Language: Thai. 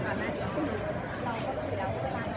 พี่แม่ที่เว้นได้รับความรู้สึกมากกว่า